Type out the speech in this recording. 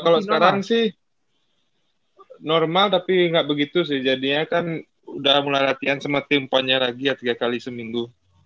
kalau sekarang sih normal tapi nggak begitu sih jadinya kan udah mulai latihan sama tim ponnya lagi ya tiga kali seminggu